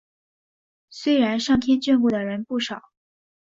虽然上天眷顾的人不少